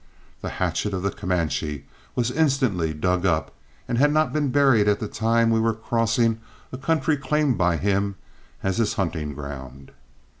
The hatchet of the Comanche was instantly dug up, and had not been buried at the time we were crossing a country claimed by him as his hunting ground.